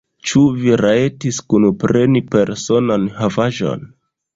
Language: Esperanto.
Ĉu vi rajtis kunpreni personan havaĵon?